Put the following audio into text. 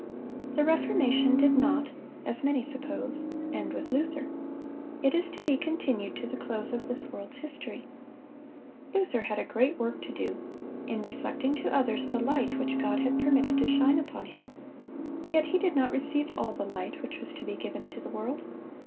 The Reformation did not, as many suppose, end with Luther. It is to be continued to the close of this world's history. Luther had a great work to do in reflecting to others the light which God had permitted to shine upon him; yet he did not receive all the light which was to be given to the world.